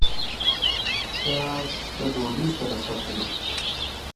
پیاز د ډوډۍ سره ښه خوري